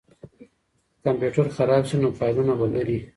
که کمپیوټر خراب شي نو فایلونه به لرئ.